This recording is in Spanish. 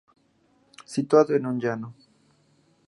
Situado en un llano.